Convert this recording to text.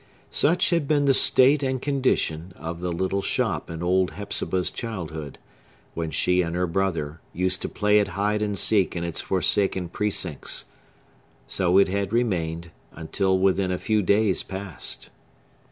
Such had been the state and condition of the little shop in old Hepzibah's childhood, when she and her brother used to play at hide and seek in its forsaken precincts. So it had remained, until within a few days past.